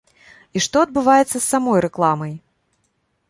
І што адбываецца з самой рэкламай?